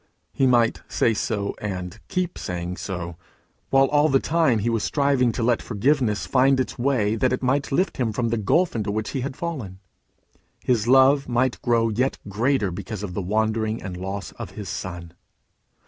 He might say so, and keep saying so, while all the time he was striving to let forgiveness find its way that it might lift him from the gulf into which he had fallen. His love might grow yet greater because of the wandering and loss of his son.